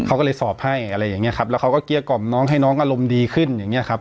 เขาก็เลยสอบให้อะไรอย่างเงี้ครับแล้วเขาก็เกลี้ยกล่อมน้องให้น้องอารมณ์ดีขึ้นอย่างเงี้ครับ